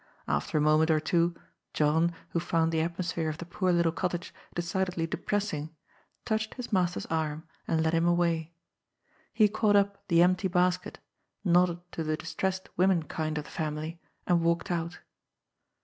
After a moment or two John, who found the atmos phere of the poor little cottage decidedly depressing, touched his master's arm and led him away. He caught up the empty basket, nodded to the distressed womenkind of the family and walked out.